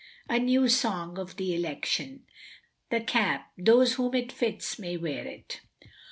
A NEW SONG OF THE ELECTION. "THE CAP, THOSE WHOM IT FITS MAY WEAR IT."